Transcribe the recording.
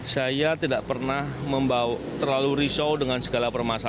saya tidak pernah terlalu risau dengan segala permasalahan